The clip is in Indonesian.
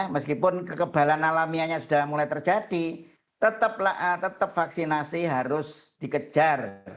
meskipun kekebalan alamianya sudah mulai terjadi tetap vaksinasi harus dikejar